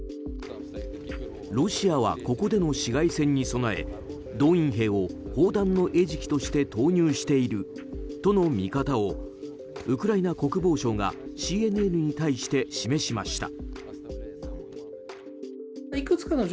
ロシアはここでの市街戦に備え動員兵を砲弾の餌食として投入しているとの見方をウクライナ国防省がＣＮＮに対して示しました。